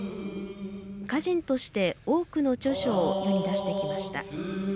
歌人として多くの著書を世に出してきました。